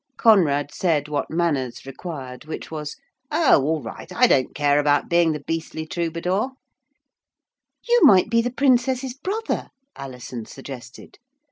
Conrad said what manners required, which was: 'Oh! all right, I don't care about being the beastly Troubadour.' 'You might be the Princess's brother,' Alison suggested.